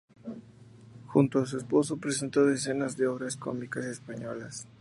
Junto a su esposo presentó decenas de obras cómicas españolas.